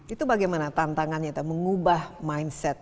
itu bagaimana tantangannya mengubah mindset